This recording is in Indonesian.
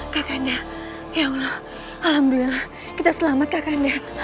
kakanda ya allah alhamdulillah kita selamat kakanda